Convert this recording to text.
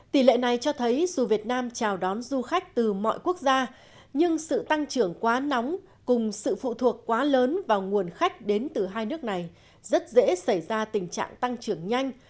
tỷ lệ này cho thấy dù việt nam chào đón du khách từ mọi quốc gia nhưng sự tăng trưởng quá nóng cùng sự phụ thuộc quá lớn vào nguồn khách đến từ hai nước này rất dễ xảy ra tình trạng tăng trưởng nhanh